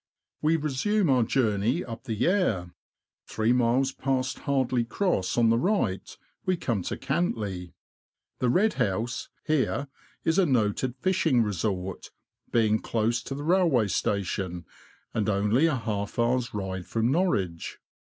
We resume our journey up the Yare : three miles past Hardley Cross, on the right, we come to Cantley. The " Red House " here is a noted fishing resort, being close to the railway station, and only a half hour's ride from Norwich.